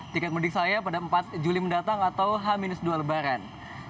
tiket mudik saya pada empat juli mendatang atau h dua lebaran